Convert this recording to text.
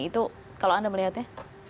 itu kalau anda melihatnya